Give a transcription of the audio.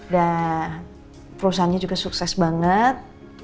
dan perusahaannya juga sukses banget